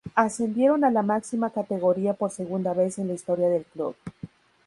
Ascendieron a la máxima categoría por segunda vez en la historia del club.